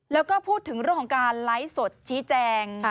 แล้วก็พูดถึงเรื่องของการไลฟ์สดชี้แจง